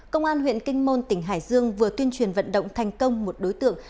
công an huyện kinh môn tỉnh hải dương vừa tuyên truyền vận động thành công một đối tượng